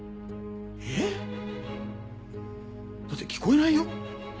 ええっ？だって聞こえないよ？